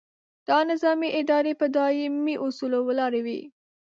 دا نظامي ادارې په دایمي اصولو ولاړې وي.